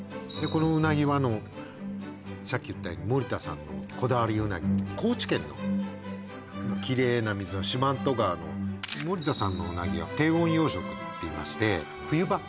このうなぎはさっき言ったように森田さんのこだわりうなぎ高知県のキレイな水の四万十川の森田さんのうなぎは低温養殖っていいまして冬場